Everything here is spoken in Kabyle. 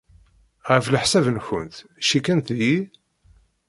Ɣef leḥsab-nwent, cikkent deg-i?